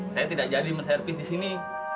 saya tidak jadi mengerpis di sini